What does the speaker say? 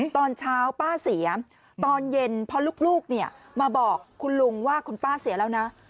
ตอนเช้าป้าเสียตอนเย็นพอลูกมาบอกคุณลุงว่าคุณป้าเสียแล้วนะ